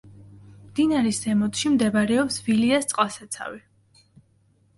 მდინარის ზემოთში მდებარეობს ვილიას წყალსაცავი.